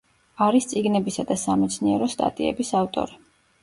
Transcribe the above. არის წიგნებისა და სამეცნიერო სტატიების ავტორი.